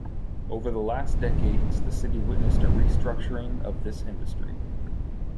Over the last decades the city witnessed a restructuring of this industry.